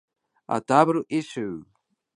A double issue is published at the turn of the year.